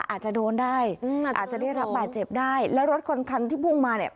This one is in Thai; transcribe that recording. อาจจะโดนได้อืมอาจจะได้รับบาดเจ็บได้แล้วรถคนคันที่พุ่งมาเนี่ย